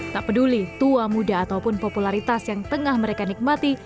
tak peduli tua muda ataupun popularitas yang tengah mereka nikmati